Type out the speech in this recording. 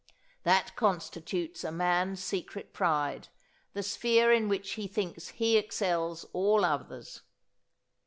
That constitutes a man's secret pride: the sphere in which he thinks he excels all others.